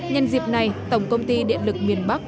nhân dịp này tổng công ty điện lực miền bắc